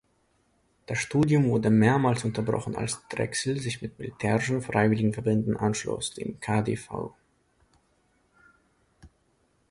Das Studium wurde mehrmals unterbrochen, als Drexel sich militärischen Freiwilligenverbänden anschloss, dem Kdv.